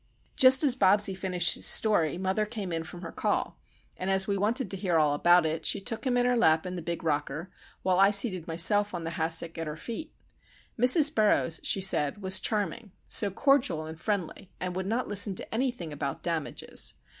Just as Bobsie finished his story mother came in from her call, and as we wanted to hear all about it, she took him in her lap in the big rocker, while I seated myself on the hassock at her feet. Mrs. Burroughs, she said, was charming,—so cordial and friendly, and would not listen to anything about "damages."